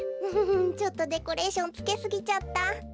フフフちょっとデコレーションつけすぎちゃった。